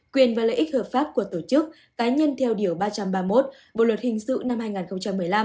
quyền và lợi ích hợp pháp của tổ chức cá nhân theo điều ba trăm ba mươi một bộ luật hình sự năm hai nghìn một mươi năm